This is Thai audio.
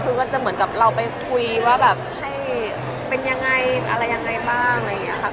คือก็จะเหมือนกับเราไปคุยว่าแบบให้เป็นยังไงอะไรยังไงบ้างอะไรอย่างนี้ค่ะ